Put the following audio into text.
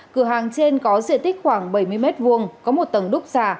cửa hàng trên có diện tích khoảng bảy mươi m hai có một tầng đúc xà